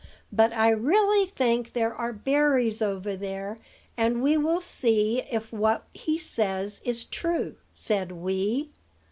But I really think there are berries over there, and we will see if what he says is true," said Wee.